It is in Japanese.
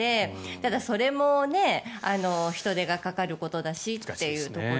ただ、それも人手がかかることだしというところ。